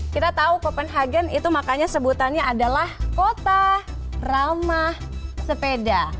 kita tahu copenhagen itu makanya sebutannya adalah kota ramah sepeda